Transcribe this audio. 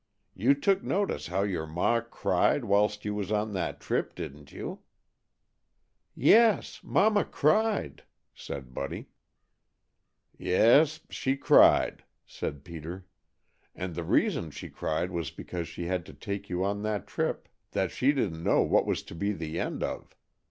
You took notice how your ma cried whilst you was on that trip, didn't you?" "Yes, Mama cried," said Buddy. "Yes, she cried," said Peter. "And the reason she cried was because she had to take you on that trip that she didn't know what was to be the end of.